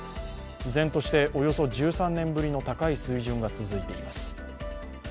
依然として、およそ１３年ぶりの高い水準が続いています。